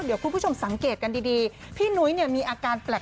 เดี๋ยวคุณผู้ชมสังเกตกันดีพี่นุ้ยเนี่ยมีอาการแปลก